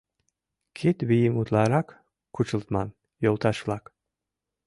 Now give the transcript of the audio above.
Кид вийым утларак кучылтман, йолташ-влак!